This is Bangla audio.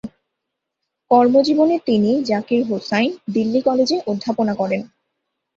কর্মজীবনে তিনি জাকির হুসাইন দিল্লি কলেজে অধ্যাপনা করেন।